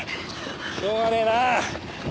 しょうがねえな。